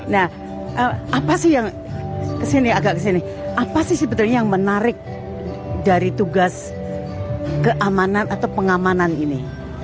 nah apa sih yang menarik dari tugas keamanan atau pengamanan ini